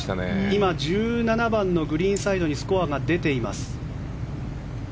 今１７番のグリーンサイドにスコアが出ています。